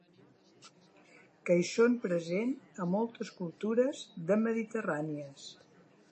Que hi són present a moltes cultures de mediterrànies.